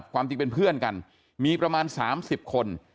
ความจริงเป็นเพื่อนกันมีประมาณ๓๐คน